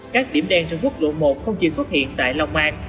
các điểm đen trên quốc lộ một không chỉ xuất hiện tại long an